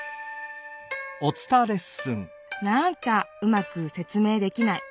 なんかうまくせつ明できない。